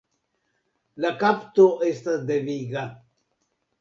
La kapto estas deviga.